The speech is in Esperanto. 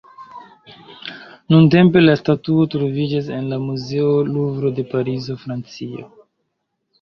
Nuntempe la statuo troviĝas en la Muzeo Luvro de Parizo, Francio.